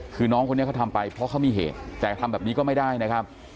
คือน้องคนนี้เขาทำไปเพราะเขามีเหตุแต่ทำแบบนี้ก็ไม่ได้นะครับ